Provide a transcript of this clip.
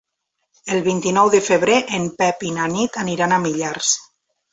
El vint-i-nou de febrer en Pep i na Nit aniran a Millars.